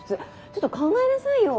ちょっとは考えなさいよ。